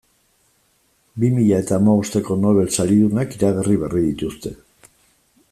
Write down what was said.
Bi mila eta hamabosteko Nobel saridunak iragarri berri dituzte.